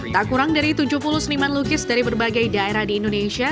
tak kurang dari tujuh puluh seniman lukis dari berbagai daerah di indonesia